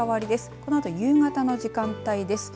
このあと夕方の時間帯です。